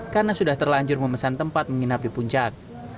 karena sudah terlanjur memesan tempat menginap di puncak